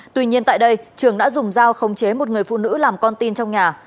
tuy nhiên tại đây trường đã dùng dao không chế một người phụ nữ làm con tin trong nhà